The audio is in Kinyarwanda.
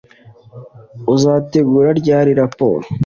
Uzategura ryari raporo